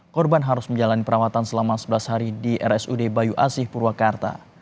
korban harus menjalani perawatan selama sebelas hari di rsud bayu asih purwakarta